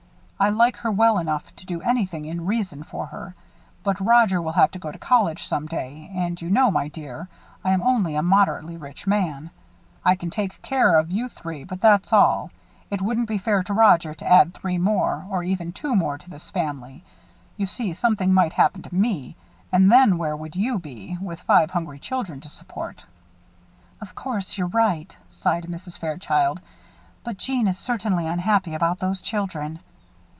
I like her well enough to do anything in reason for her. But Roger will have to go to college some day; and you know, my dear, I am only a moderately rich man. I can take good care of you three, but that's all. It wouldn't be fair to Roger to add three more or even two more to this family. You see, something might happen to me, and then, where would you be, with five hungry children to support?" "Of course you're right," sighed Mrs. Fairchild; "but Jeanne is certainly unhappy about those children."